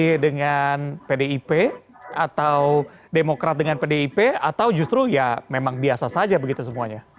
jadi dengan pdip atau demokrat dengan pdip atau justru ya memang biasa saja begitu semuanya